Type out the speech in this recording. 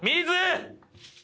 水！